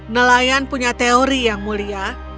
nelayan punya teori yang mulia